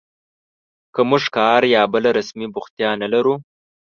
که موږ کار یا بله رسمي بوختیا نه لرو